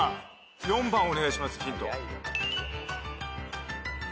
４番お願いしますヒント。